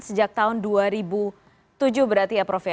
sejak tahun dua ribu tujuh berarti ya prof ya